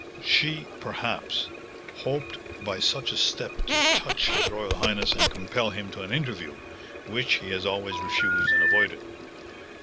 "She, perhaps, hoped by such a step to touch his royal highness and compel him to an interview, which he has always refused and avoided.